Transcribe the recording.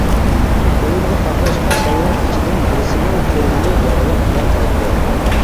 ئويۇنغا قاتناشقان بالىلار ئىچىدىن بىرسىنىڭ كۆزىنى ياغلىق بىلەن تاڭىدۇ.